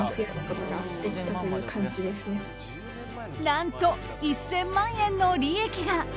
何と、１０００万円の利益が。